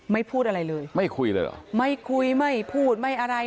พูดอะไรเลยไม่คุยเลยเหรอไม่คุยไม่พูดไม่อะไร